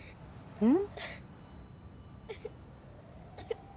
うん。